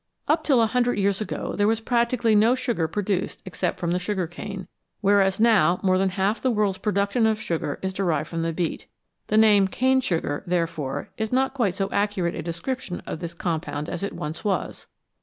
Up till a hundred years ago there was practically no sugar produced except from the sugar cane, whereas now more than half the world's production of sugar is derived from the beet ; the name " cane sugar, 1 ' therefore, is not quite so accurate a description of this compound as it once was.